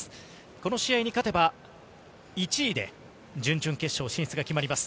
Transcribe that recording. この試合に勝てば１位で準々決勝進出が決まります。